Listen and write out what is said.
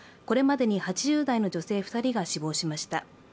これまでに８０代の女性２人が死亡しました。